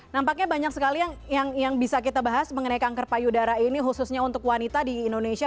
nampaknya banyak sekali yang bisa kita bahas mengenai kanker payudara ini khususnya untuk wanita di indonesia